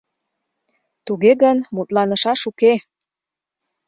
— Туге гын, мутланышаш уке!